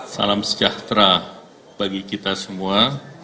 salam sejahtera bagi kita semua